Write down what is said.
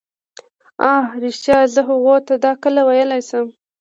اه ریښتیا هم زه هغو ته دا کله ویلای شم.